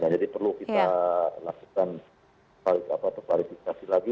jadi perlu kita lakukan verifikasi lagi